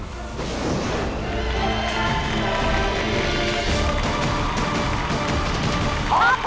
ขอบคุณค่ะ